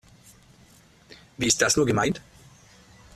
Wie ist das nur gemeint?